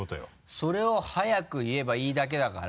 それを速く言えばいいだけだから。